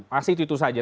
masih itu saja